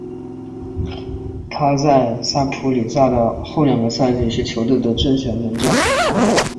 他在萨普里萨的后两个赛季是球队的正选门将。